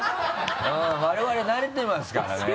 我々慣れてますからね。